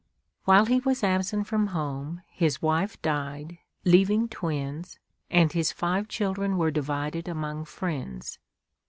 While he was absent from home, his wife died, leaving twins, and his five children were divided among friends.